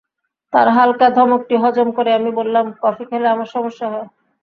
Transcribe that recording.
তার হালকা ধমকটি হজম করে আমি বললাম, কফি খেলে আমার সমস্যা হয়।